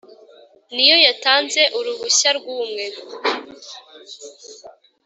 Ni yo yatanze uruhushya rw'umwe